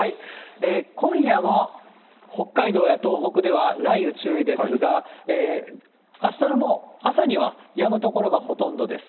今夜も北海道や東北では雷雨注意ですが、あしたの朝にはやむ所がほとんどです。